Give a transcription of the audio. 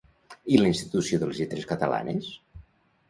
I la Institució de les Lletres Catalanes?